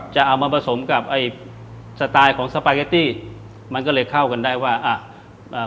จะเอามาผสมกับไอ้สไตล์ของสปาเกตตี้มันก็เลยเข้ากันได้ว่าอ่ะเอ่อ